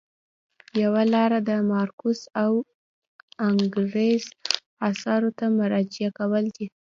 یوه لاره د مارکس او انګلز اثارو ته مراجعه کول دي.